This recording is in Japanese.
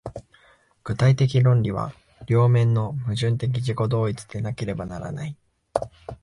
具体的論理は両面の矛盾的自己同一でなければならない。